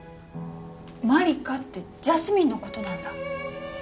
茉莉花ってジャスミンのことなんだ。